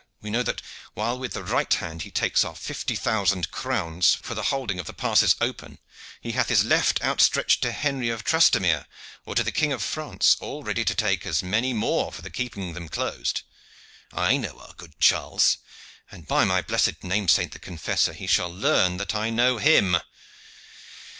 We know that while with the right hand he takes our fifty thousand crowns for the holding of the passes open, he hath his left outstretched to Henry of Trastamare, or to the King of France, all ready to take as many more for the keeping them closed. I know our good Charles, and, by my blessed name saint the Confessor, he shall learn that I know him.